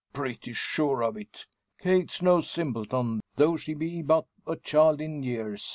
"Pretty sure of it. Kate's no simpleton, though she be but a child in years.